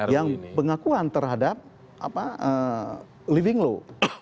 yang pengakuan terhadap living law